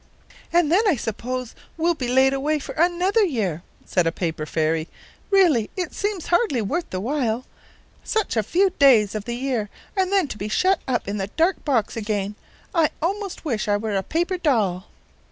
"And then I suppose we'll be laid away for another year," said a paper fairy. "Really it seems hardly worth while. Such a few days out of the year and then to be shut up in the dark box again. I almost wish I were a paper doll."